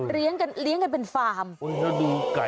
เลี้ยงจากเป็นในฟาร์ม